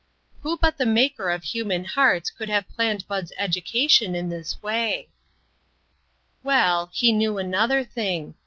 Who but the Maker of human hearts could have planned Bud's education in this way? Well, he knew another thing.